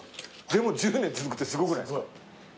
でも１０年続くってすごくないですか？